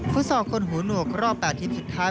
ฟุตศอกคนหูหนวกรอบ๘ที่สุดท้าย